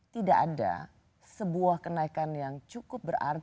tidak ada sebuah kenaikan yang cukup berarti